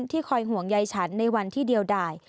คอยห่วงใยฉันในวันที่เดียวได้